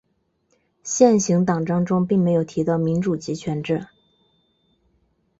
现行党章中并没有提到民主集权制。